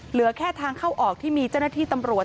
เหลือแค่ทางเข้าออกที่มีเจ้าหน้าที่ตำรวจ